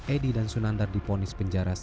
edi dan sunandar diponis penjara